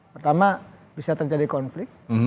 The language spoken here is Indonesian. pertama bisa terjadi konflik